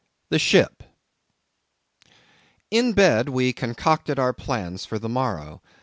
The Ship. In bed we concocted our plans for the morrow.